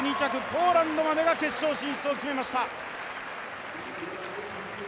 ポーランドまでが決勝進出を決めました。